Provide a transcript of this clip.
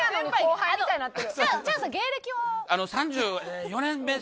チャンスさん芸歴は？